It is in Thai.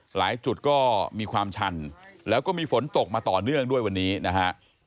หลายจุดก็มีความชันแล้วก็มีฝนตกมาต่อเนื่องด้วยวันนี้นะฮะ